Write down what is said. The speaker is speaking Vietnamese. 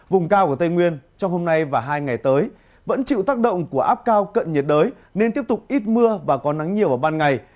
vùng cao của tây nguyên trong hôm nay và hai ngày tới vẫn chịu tác động của áp cao cận nhiệt đới nên tiếp tục ít mưa và có nắng nhiều vào ban ngày